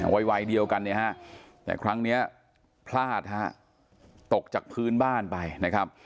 วัยเดียวกันเนี่ยฮะแต่ครั้งนี้พลาดฮะตกจากพื้นบ้านไปนะครับ